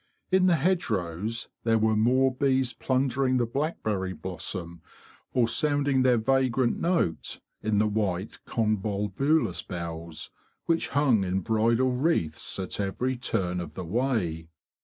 In the hedgerows there were more bees plundering the blackberry blossom, or sounding their vagrant note in the white convolvulus bells which hung in bridal wreaths at every turn of the way.